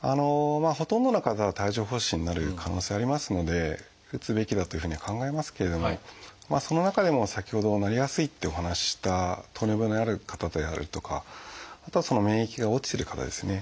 ほとんどの方が帯状疱疹になる可能性ありますので打つべきだというふうには考えますけれどもその中でも先ほどなりやすいってお話しした糖尿病のある方であるとかあとは免疫が落ちてる方ですね。